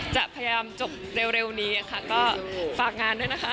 จะพยายามจบเร็วนี้ค่ะ